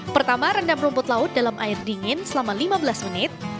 pertama rendam rumput laut dalam air dingin selama lima belas menit